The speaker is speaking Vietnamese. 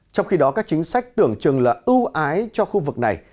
trong khi đó các chính sách tưởng chừng là ưu ái cho khu vực này